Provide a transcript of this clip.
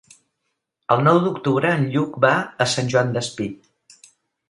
El nou d'octubre en Lluc va a Sant Joan Despí.